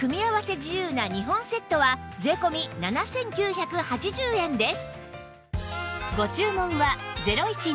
自由な２本セットは税込７９８０円です